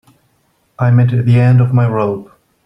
I'm at the end of my rope.